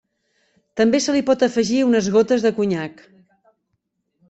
També se li pot afegir unes gotes de conyac.